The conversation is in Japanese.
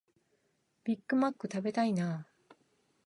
ビッグマック食べたいなあ